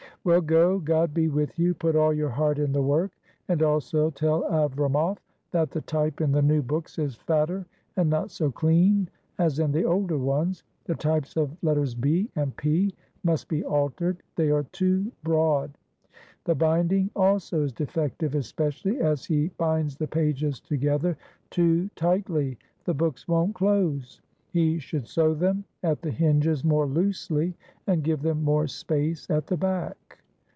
"Well, go; God be with you! Put all your heart in the work ! And also tell Avramoff that the type in the new books is fatter and not so clean as in the older ones. The types of letters ' B ' and ' P ' must be altered ; they are too broad. The binding also is defective, especially as he binds the pages together too tightly; the books won't 89 RUSSIA close. He should sew them at the hinges more loosely and give them more space at the back."